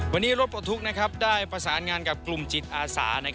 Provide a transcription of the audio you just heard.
วันนี้รถปลดทุกข์ได้ประสานงานกับกลุ่มจิตอาสา